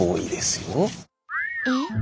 えっ？